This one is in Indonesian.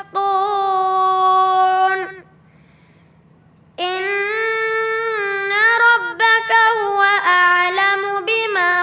tuh tuh ya kan